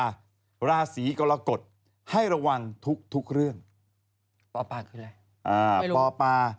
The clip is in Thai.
คนที่อยู่ราศรีกรกฎแล้วไม่มีอักษรปปรา